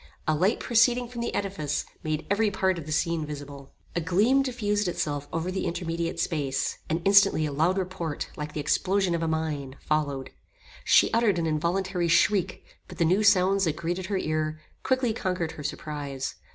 A light proceeding from the edifice, made every part of the scene visible. A gleam diffused itself over the intermediate space, and instantly a loud report, like the explosion of a mine, followed. She uttered an involuntary shriek, but the new sounds that greeted her ear, quickly conquered her surprise.